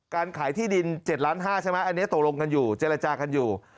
การขายที่ดิน๗ล้าน๕ใช่ไหมอันนี้ตกลงกันอยู่เจรจากันอยู่